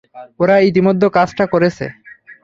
ওরা ইতিমধ্যে কাজটা করেছে।